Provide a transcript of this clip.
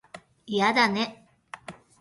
嫌だね